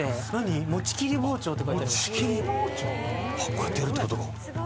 こうやってやるってことか。